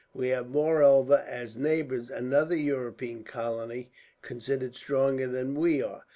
We have, moreover, as neighbours, another European colony considerably stronger than we are.